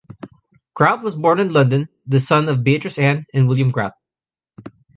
Grout was born in London, the son of Beatrice Anne and William Grout.